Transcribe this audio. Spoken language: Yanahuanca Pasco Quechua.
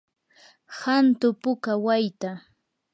hantu puka wayta.